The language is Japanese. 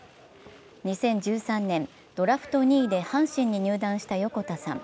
２０１３年、ドラフト２位で阪神に入団した横田さん。